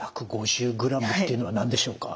１５０ｇっていうのは何でしょうか？